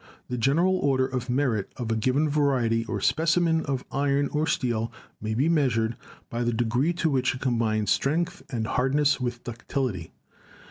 The general order of merit of a given variety or specimen of iron or steel may be measured by the degree to which it combines strength and hardness with ductility.